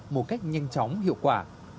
một cách nhanh chóng hiệu quả